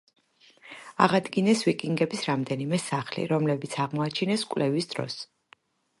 აღადგინეს ვიკინგების რამდენიმე სახლი, რომლებიც აღმოაჩინეს კვლევის დროს.